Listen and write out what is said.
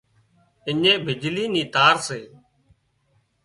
اڃين بجلي نِي تارُون سي